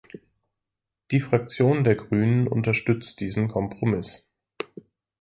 Die Fraktion der Grünen unterstützt diesen Kompromiss.